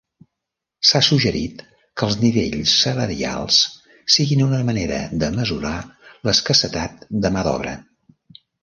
S'ha suggerit que els nivells salarials siguin una manera de mesurar l'escassetat de mà d'obra.